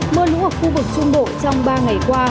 mưa lũ ở khu vực trung bộ trong ba ngày qua